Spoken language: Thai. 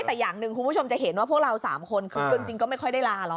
แต่อย่างหนึ่งคุณผู้ชมจะเห็นว่าพวกเรา๓คนคือจริงก็ไม่ค่อยได้ลาหรอก